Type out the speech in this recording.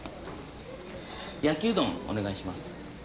焼きうどんお願いします。